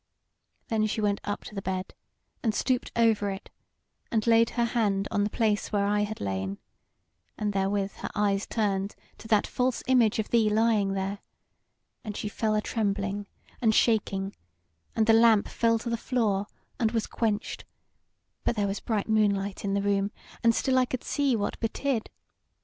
Then she went up to the bed and stooped over it, and laid her hand on the place where I had lain; and therewith her eyes turned to that false image of thee lying there, and she fell a trembling and shaking, and the lamp fell to the ground and was quenched (but there was bright moonlight in the room, and still I could see what betid).